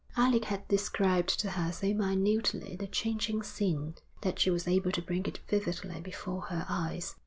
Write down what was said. Alec had described to her so minutely the changing scene that she was able to bring it vividly before her eyes.